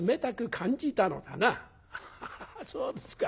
「ハハハそうですか。